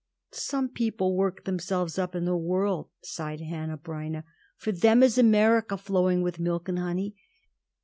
"Some people work themselves up in the world," sighed Hanneh Breineh. "For them is America flowing with milk and honey.